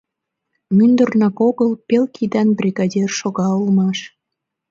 Мӱндырнак огыл пел кидан бригадир шога улмаш.